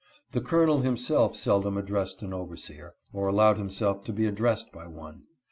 The Colonel himself seldom addressed an overseer, or allowed himself to be addressed by one.